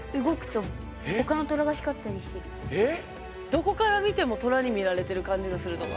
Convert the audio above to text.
どこから見ても虎に見られている感じがするとか？